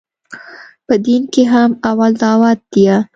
په دين کښې هم اول دعوت ديه.